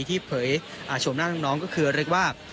เผยชมหน้าน้องก็คือเรียกว่า